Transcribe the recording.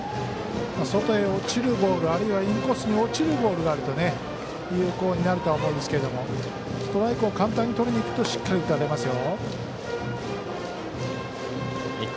外へ落ちるボールあるいはインコースに落ちるボールがあると有効になるとは思うんですけどストライクを簡単にとりにいくとしっかり打たれますよ。